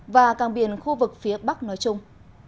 và cảng biển khu vực phía bắc nói chung